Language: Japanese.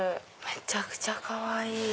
めちゃくちゃかわいい！